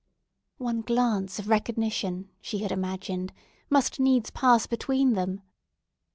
One glance of recognition she had imagined must needs pass between them.